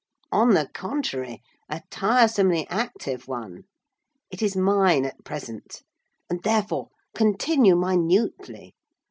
"On the contrary, a tiresomely active one. It is mine, at present; and, therefore, continue minutely.